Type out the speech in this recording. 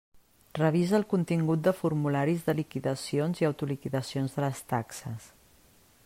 Revisa el contingut de formularis de liquidacions i autoliquidacions de les taxes.